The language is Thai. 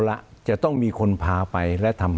คุณจอมขอบพระคุณครับ